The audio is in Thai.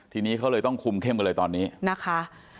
ทีนี้เขาเลยต้องคุมเข้มกันเลยตอนนี้นะคะ